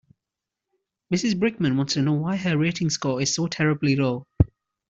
Mrs Brickman wants to know why her rating score is so terribly low.